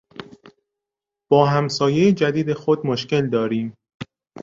با همسایهی جدید خود مشکل داریم.